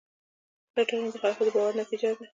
دا تړون د خلکو د باور نتیجه ده.